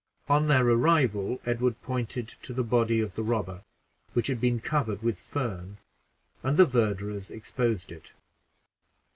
On their arrival, Edward pointed to the body of the robber, which had been covered with fern, and the verderers exposed it.